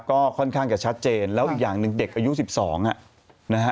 ก็ค่อนข้างจะชัดเจนแล้วอีกอย่างหนึ่งเด็กอายุ๑๒อ่ะนะฮะ